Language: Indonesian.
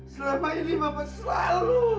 selama ini bapak selalu